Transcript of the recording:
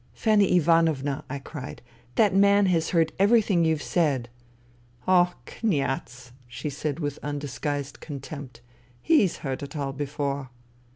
" Fanny Ivanovna," I cried, " that man has heard everything you've said." " Oh, Kniaz !" she said with undisguised contempt. " He's heard it all before."